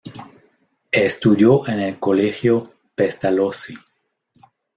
Estudió en el Colegio Pestalozzi.